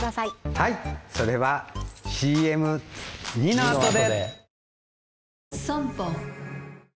はいそれはＣＭ②のあとで！